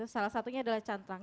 salah satunya adalah cantrang